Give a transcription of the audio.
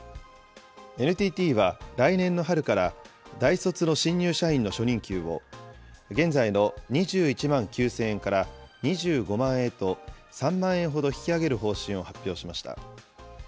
ＮＴＴは、来年の春から大卒の新入社員の初任給を現在の２１万９０００円から２５万円へと３万円ほど引き上げる方針を発表しました。